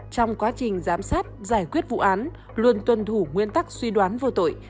trong quá trình giám sát giải quyết vụ án luôn tuân thủ nguyên tắc suy đoán vô tội